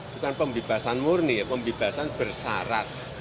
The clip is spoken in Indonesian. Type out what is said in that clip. bukan pembebasan murni ya pembebasan bersyarat